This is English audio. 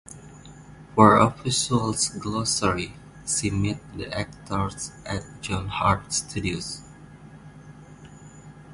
For a visual glossary, see Meet The Actors at John Hart Studios.